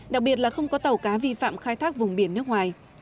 đặc biệt là không có tàu cá vi phạm khai thác vùng biển nước ngoài